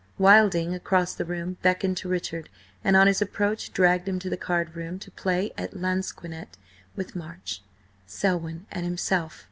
Wilding, across the room, beckoned to Richard, and on his approach, dragged him to the card room to play at lansquenet with March, Selwyn and himself.